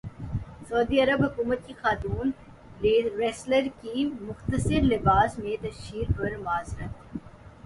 سعودی عرب حکومت کی خاتون ریسلر کی مختصر لباس میں تشہیر پر معذرت